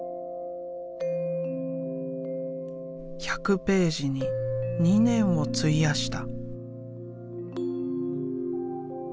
１００ページに２年を費やした。